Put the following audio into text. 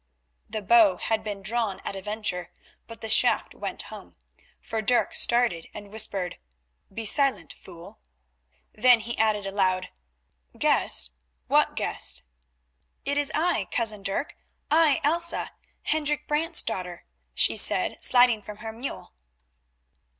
The bow had been drawn at a venture but the shaft went home, for Dirk started and whispered: "Be silent, fool." Then he added aloud, "Guest! What guest?" "It is I, cousin Dirk, I, Elsa, Hendrik Brant's daughter," she said, sliding from her mule.